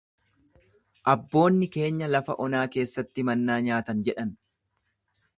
Abboonni keenya lafa onaa keessatti mannaa nyaatan jedhan.